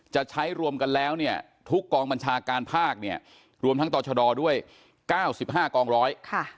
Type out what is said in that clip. จะใช้รวมกันแล้วทุกกองบัญชาการภาครวมทั้งต่อเฉดอดด้วย๙๕กองร้อย